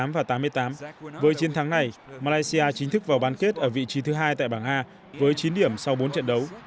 với chiến thắng này malaysia chính thức vào bán kết ở vị trí thứ hai tại bảng a với chín điểm sau bốn trận đấu